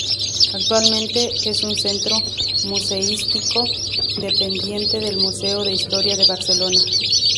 Actualmente es un centro museístico dependiente del Museo de Historia de Barcelona.